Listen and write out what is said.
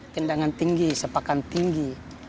tendangan tinggi sepakan tinggi